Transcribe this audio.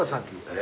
え。